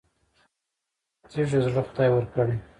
تیږه زړه خدای ورکړی.